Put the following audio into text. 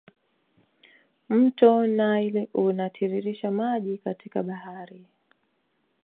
Mto nile unatiririsha maji katika bahari